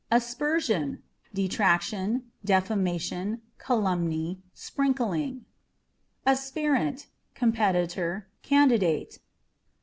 Aspersion â€" detraction, defamation, calumny ; sprinkling. Aspirant â€" competitor, candidate.